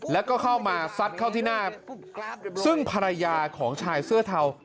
แล้วก็เข้ามาซัดเข้าที่หน้าซึ่งภรรยาของชายเสื้อเทา